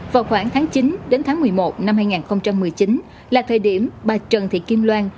vào khoảng tháng chín đến tháng một mươi một năm hai nghìn một mươi chín là thời điểm bà trần thị kim loan